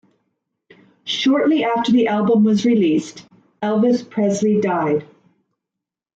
Shortly after the album was released, Elvis Presley died.